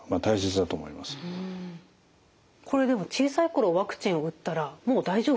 これでも小さい頃ワクチンを打ったらもう大丈夫なんでしょうか？